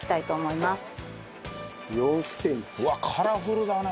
うわっカラフルだね！